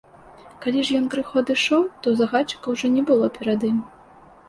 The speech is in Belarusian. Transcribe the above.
Калі ж ён крыху адышоў, то загадчыка ўжо не было перад ім.